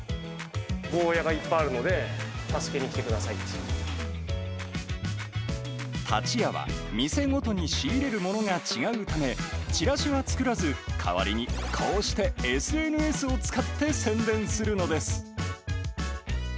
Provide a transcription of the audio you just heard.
ゴーヤがいっぱいあるので、タチヤは、店ごとに仕入れるものが違うため、チラシは作らず、代わりにこうしてＳＮＳを使って宣伝するのです。